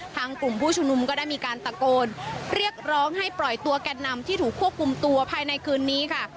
กลุ่มผู้ชุมนุมก็ได้มีการตะโกนเรียกร้องให้ปล่อยตัวแก่นนำที่ถูกควบคุมตัวภายในคืนนี้ค่ะ